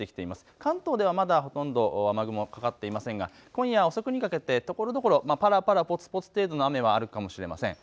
関東ではまだほとんど雨雲、かかっていませんが今夜遅くにかけてところどころ、ぱらぱらぽつぽつ程度の雨はあるかもしれません。